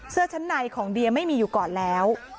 เสื้อชั้นในของเดียไม่มีอยู่ก่อนแล้ว